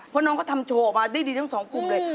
เพราะน้องก็ทำโชว์ออกมาได้ดีทั้งสองกลุ่มเลย